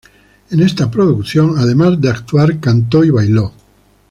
En esta producción, además de actuar, cantó y bailó.